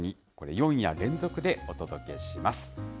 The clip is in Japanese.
４夜連続でお届けします。